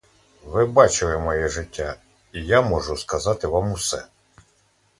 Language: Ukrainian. Ви бачили моє життя — і я можу сказати вам усе.